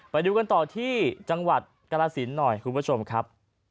ไปดูกันต่อที่จังหวัดกรสินหน่อยคุณผู้ชมครับ